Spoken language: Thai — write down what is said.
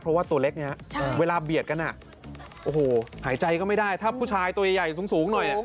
เพราะว่าตัวเล็กเนี่ยเวลาเบียดกันโอ้โหหายใจก็ไม่ได้ถ้าผู้ชายตัวใหญ่สูงหน่อย